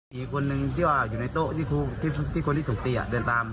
อีกคนนึงที่ว่าอยู่ในโต๊ะที่คนที่ถูกตีเดินตาม